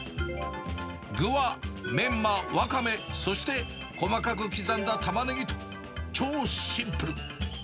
具はメンマ、ワカメ、そして細かく刻んだタマネギと、超シンプル。